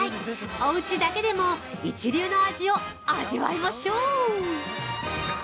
おうちだけでも一流の味を味わいましょう。